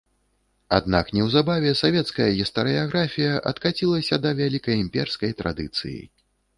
Аднак неўзабаве савецкая гістарыяграфія адкацілася да вялікаімперскай традыцыі.